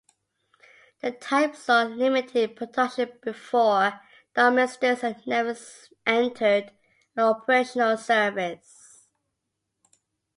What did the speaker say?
The type saw limited production before the Armistice, and never entered operational service.